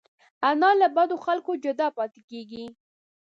انا له بدو خلکو جدا پاتې کېږي